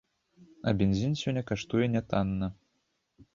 А бензін сёння каштуе нятанна.